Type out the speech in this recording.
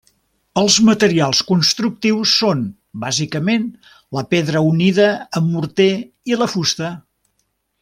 Els materials constructius són bàsicament la pedra unida amb morter i la fusta.